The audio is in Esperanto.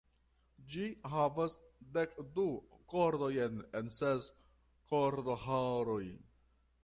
Ĝi havas dekdu kordojn en ses kordoĥoroj.